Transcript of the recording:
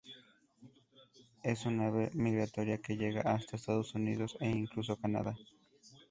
Es un ave migratoria que llega hasta Estados Unidos e incluso Canadá.